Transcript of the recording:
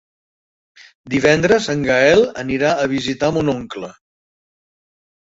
Divendres en Gaël anirà a visitar mon oncle.